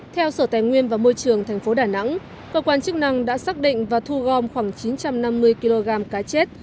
theo sở tài nguyên và môi trường tp đà nẵng cơ quan chức năng đã xác định và thu gom khoảng chín trăm năm mươi kg cá chết